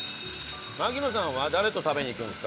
槙野さんは誰と食べに行くんですか？